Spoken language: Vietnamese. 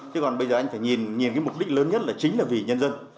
thế còn bây giờ anh phải nhìn cái mục đích lớn nhất là chính là vì nhân dân